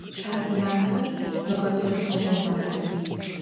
Thaumafer zığepsefığo maf.